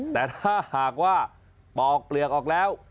แต่ถ้าหากว่าปอกเปลือกออกแล้ว